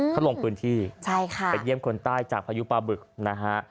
เขาลงพื้นที่ใช่ค่ะไปเยี่ยมคนใต้จากพายุปลาบึกนะฮะ